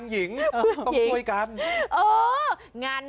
ใครออกแบบห้องน้ำวะ